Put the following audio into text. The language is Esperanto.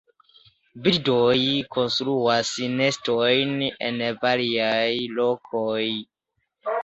Birdoj konstruas nestojn en variaj lokoj.